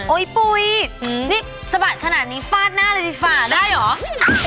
ปุ๋ยนี่สะบัดขนาดนี้ฟาดหน้าเลยดีกว่าได้เหรอ